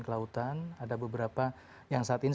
kelautan ada beberapa yang saat ini